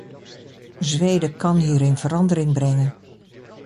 Zweden kan hierin verandering brengen.